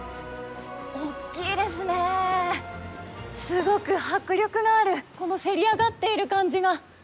すごく迫力のあるこのせり上がっている感じが。